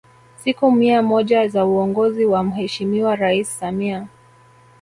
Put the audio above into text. Siku mia moja za uongozi wa Mheshimiwa Rais Samia